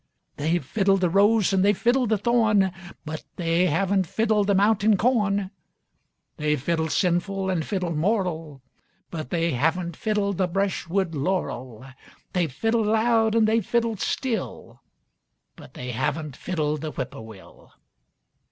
They've fiddled the rose, and they've fiddled the thorn, But they haven't fiddled the mountain corn. They've fiddled sinful an' fiddled moral, But they haven't fiddled the breshwood laurel. They've fiddled loud, and they've fiddled still, But they haven't fiddled the whippoorwill.